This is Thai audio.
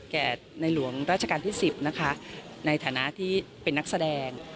ในหลวงราชการที่๑๐นะคะในฐานะที่เป็นนักแสดง